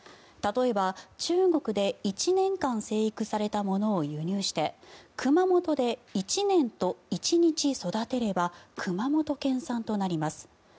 例えば、中国で１年間生育されたものを輸入して熊本で１年と１日育てれば熊本県産となります。